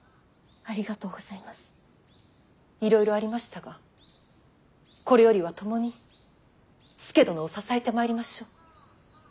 いろいろありましたがこれよりは共に佐殿を支えてまいりましょう。